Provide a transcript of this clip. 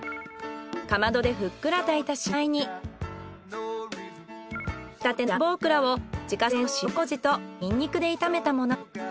かまどでふっくら炊いた新米に採れたてのジャンボオクラを自家製の塩糀とニンニクで炒めたもの。